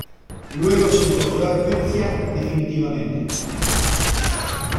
Luego se incorporó a Spezia definitivamente.